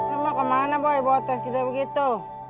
lu mau kemana boy bawa tas gitu gitu